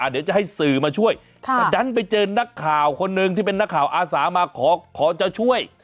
เดี๋ยวจะให้สื่อมาช่วยแต่ดันไปเจอนักข่าวคนหนึ่งที่เป็นนักข่าวอาสามาขอจะช่วย